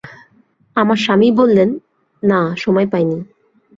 আমার স্বামী বললেন, না, সময় পাই নি।